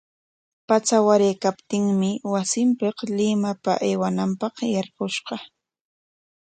Patsa waraykaptinmi wasinpik Limapa aywananpaq yarqushqa.